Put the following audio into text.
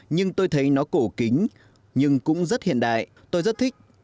nhưng tôi thấy nó cổ kính nhưng cũng rất hiện đại tôi rất thích